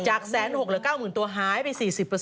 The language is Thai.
จาก๑๖๐๐เหลือ๙๐๐ตัวหายไป๔๐